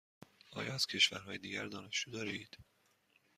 آیا از کشورهای دیگر دانشجو دارید؟